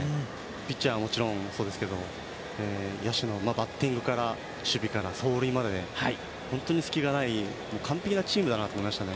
ピッチャーももちろん野手のバッティングから守備から走塁まで本当に隙がない完璧なチームだと思いました。